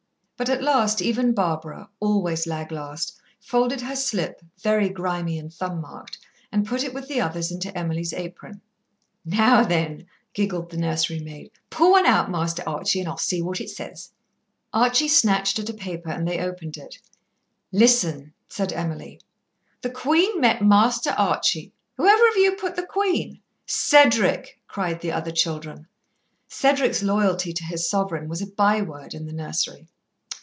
But at last even Barbara, always lag last, folded her slip, very grimy and thumb marked, and put it with the others into Emily's apron. "Now then," giggled the nursery maid, "pull one out, Master Archie, and I'll see what it says." Archie snatched at a paper, and they opened it. "Listen!" said Emily. "The Queen met Master Archie whoever of you put the Queen?" "Cedric!" cried the other children. Cedric's loyalty to his Sovereign was a by word in the nursery.